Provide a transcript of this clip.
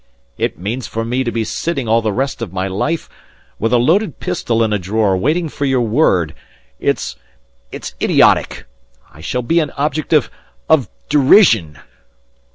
"It means for me to be sitting all the rest of my life with a loaded pistol in a drawer waiting for your word. It's... it's idiotic. I shall be an object of... of... derision."